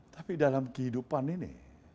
tapi dalam kehidupan ini